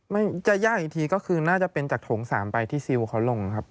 ไม่จะยากอีกทีก็คือน่าจะเป็นจากโถงสามไปที่ซิลเขาลงครับ